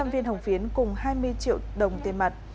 tám trăm linh viên hồng phiến cùng hai mươi triệu đồng tiền mặt